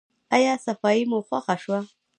ایا صفايي مو خوښه شوه؟